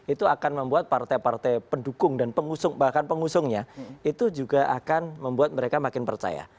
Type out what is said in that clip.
itu akan membuat partai partai pendukung dan pengusung bahkan pengusungnya itu juga akan membuat mereka makin percaya